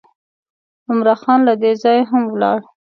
عمرا خان له دې ځایه هم ولاړ.